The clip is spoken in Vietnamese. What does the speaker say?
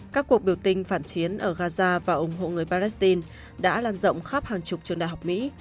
các cuộc biểu tình phản chiến ở gaza và ủng hộ người palestine đã lan rộng khắp hàng chục trường đại học mỹ